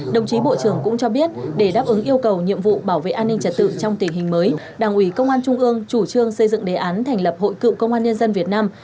đồng chí bộ trưởng cũng cho biết để đáp ứng yêu cầu nhiệm vụ bảo vệ an ninh trật tự trong tình hình mới đảng ủy công an trung ương chủ trương xây dựng đề án thành lập hội cựu công an nhân dân việt nam